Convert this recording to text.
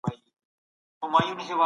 ابتدايي ټولنه توپير لري.